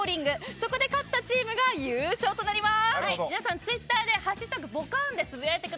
そこで勝ったチームが優勝となります。